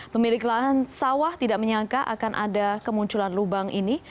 pemilik lahan sawah tidak menyangka akan ada kemunculan lubang ini